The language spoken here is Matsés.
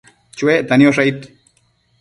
Chonuecta niosh aid ?